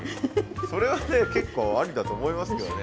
それはね結構ありだと思いますけどね。